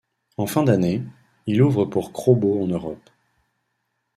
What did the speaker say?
En fin d'année, ils ouvrent pour Crobot en Europe.